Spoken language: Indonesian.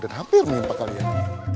dan hampir menimpa kalian